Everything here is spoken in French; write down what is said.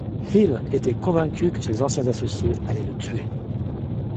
Hill était convaincu que ses anciens associés allaient le tuer.